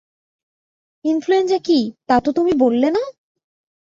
Influenza কী, তা তো তুমি বললে না!